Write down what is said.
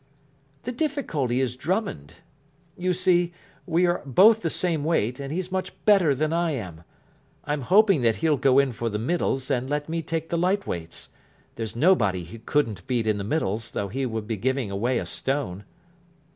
"The difficulty is Drummond. You see, we are both the same weight, and he's much better than I am. I'm hoping that he'll go in for the Middles and let me take the Light Weights. There's nobody he couldn't beat in the Middles, though he would be giving away a stone."